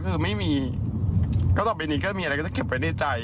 คือไม่มีก็ต่อไปนี้ก็มีอะไรก็จะเก็บไว้ในใจ